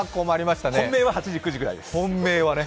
本命は８時、９時ぐらいです。